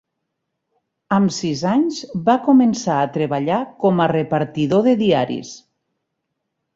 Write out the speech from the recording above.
Amb sis anys, va començar a treballar com a repartidor de diaris.